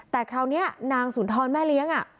แต่คราวนี้นางสุนทรแม่เลี้ยง